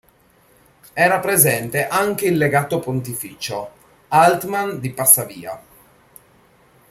Era presente anche il legato pontificio, Altmann di Passavia.